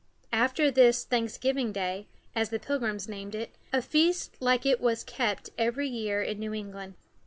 After this "Thanksgiving Day," as the Pilgrims named it, a feast like it was kept every year in New England.